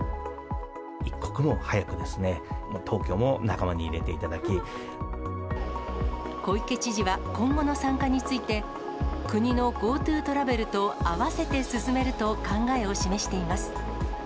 一刻も早く東京も仲間に入れ小池知事は、今後の参加について、国のＧｏＴｏトラベルと合わせて進めると考えを示しています。